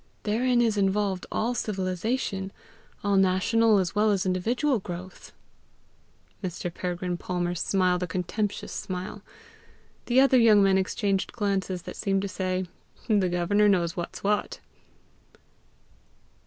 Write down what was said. Therein is involved all civilization, all national as well as individual growth." Mr. Peregrine Palmer smiled a contemptuous smile. The other young men exchanged glances that seemed to say, "The governor knows what's what!"